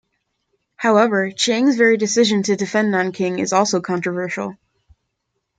However, Chiang's very decision to defend Nanking is also controversial.